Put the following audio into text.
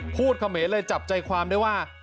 เขมรเลยจับใจความได้ว่า